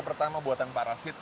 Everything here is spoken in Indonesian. pertama buatan pak rasid